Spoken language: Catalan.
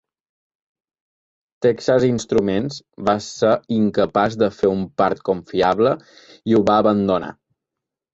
Texas Instruments va ser incapaç de fer un part confiable i ho va abandonar.